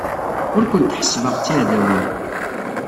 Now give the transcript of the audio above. Ur kent-ḥessbeɣ d tiɛdawin.